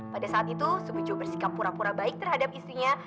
pada saat itu subuhjo bersikap pura pura baik terhadap istrinya